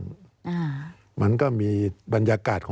สวัสดีครับทุกคน